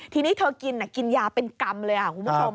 ทีนี้เธอกินกินยาเป็นกรรมเลยคุณผู้ชม